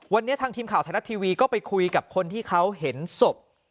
วันนี้ทางทีมข่าวไทยรัฐทีวีก็ไปคุยกับคนที่เขาเห็นศพ